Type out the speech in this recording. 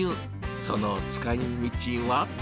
その使いみちは。